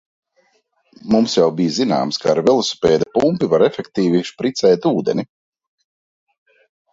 Mums jau bija zināms, ka ar velosipēda pumpi var efektīgi špricēt ūdeni.